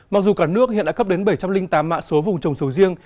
mặc dù cả nước hiện đã cấp đến bảy trăm linh tám mã số vùng trồng sầu riêng